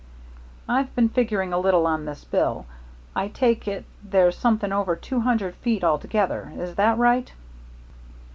"I've been figuring a little on this bill. I take it there's something over two million feet altogether. Is that right?"